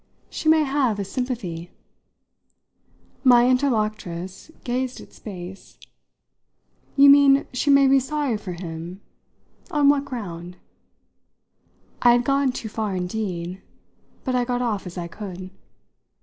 "She may have a sympathy." My interlocutress gazed at space. "You mean she may be sorry for him? On what ground?" I had gone too far indeed; but I got off as I could.